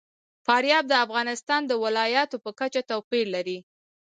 فاریاب د افغانستان د ولایاتو په کچه توپیر لري.